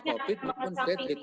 mengesampingkan yang comorbid itu